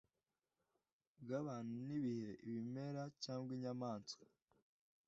bw'abantu n'ibihe, ibimera cyangwa inyamaswa